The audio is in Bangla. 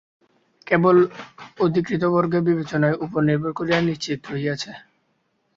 কেবল অধিকৃতবর্গের বিবেচনার উপর নির্ভর করিয়া নিশ্চিন্ত রহিয়াছি।